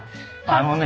あのね。